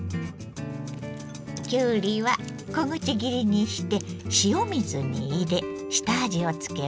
きゅうりは小口切りにして塩水に入れ下味をつけます。